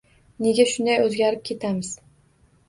Nega shunday o‘zgarib ketamiz?